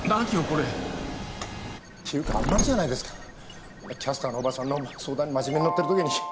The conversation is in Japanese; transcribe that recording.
キャスターのおばさんの相談に真面目に乗ってる時に。